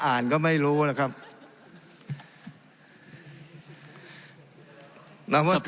ทั้งสองกรณีผลเอกประยุทธ์